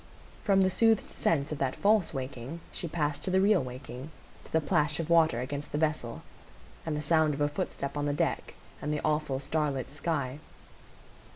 From the soothed sense of that false waking she passed to the real waking,—to the plash of water against the vessel, and the sound of a footstep on the deck, and the awful starlit sky.